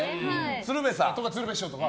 鶴瓶師匠とか。